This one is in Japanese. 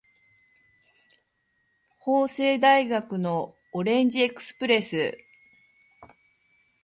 法政大学のオレンジエクスプレス